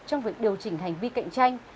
trong việc điều chỉnh hành vi cạnh tranh